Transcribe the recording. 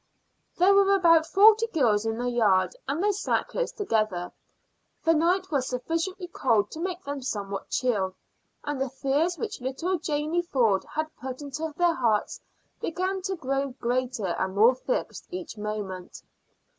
There were about forty girls in the yard, and they sat close together. The night was sufficiently cold to make them somewhat chill, and the fears which little Janey Ford had put into their hearts began to grow greater and more fixed each moment.